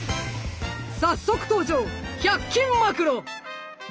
早速登場１００均マクロ！